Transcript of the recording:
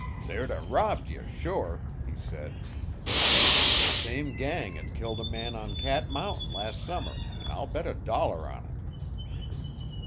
'They'd a robbed ye sure,' he said. 'It's the same gang 'at killed a man on Cat Mountain las' summer, an' I'll bet a dollar on it.'